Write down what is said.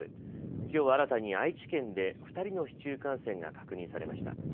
きょう新たに愛知県で２人の市中感染が確認されました。